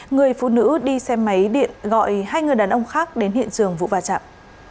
người phụ nữ đi xe máy điện gọi hai người đàn ông khác đến hiện trường vụ va chạm